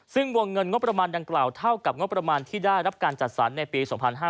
ซึ่งวงเงินงบประมาณดังกล่าวเท่ากับงบประมาณที่ได้รับการจัดสรรในปี๒๕๕๙